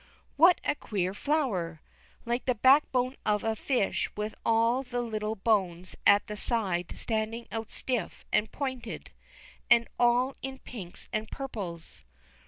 What a queer flower! like the backbone of a fish with all the little bones at the side standing out stiff and pointed, and all in pinks and purples.